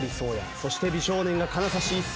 そして美少年が金指一世。